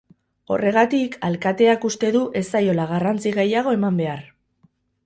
Horregatik, alkateak uste du ez zaiola garrantzi gehiago eman behar.